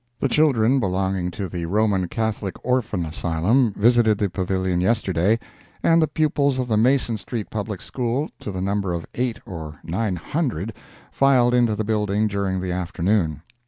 The children belonging to the Roman Catholic Orphan Asylum visited the Pavilion yesterday, and the pupils of the Mason Street Public School, to the number of eight or nine hundred, filed into the building during the afternoon.